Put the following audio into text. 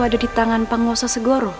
ada di tangan penguasa